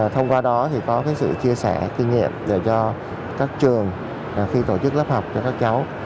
thông qua đó thì có sự chia sẻ kinh nghiệm cho các trường khi tổ chức lớp học cho các cháu